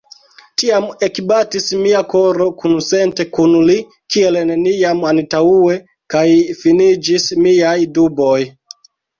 Tiam ekbatis mia koro kunsente kun li kiel neniam antaŭe, kaj finiĝis miaj duboj.